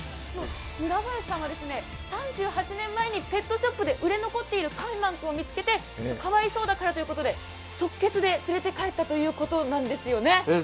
村林さんは３８年前にペットショップで売れ残っているかわいそうだからということで即決で連れ帰ったということなんですよね。